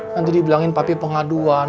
nanti dibilangin papi pengaduan